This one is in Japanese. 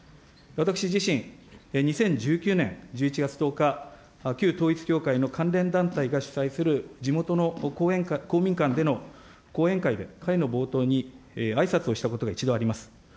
私自身、２０１９年１１月１０日、旧統一教会の関連団体が主催する地元の公民館での講演会で、会の冒頭にあいさつをしたことが一度あります。